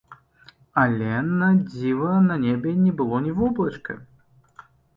Але, на дзіва, на небе не было ні воблачка!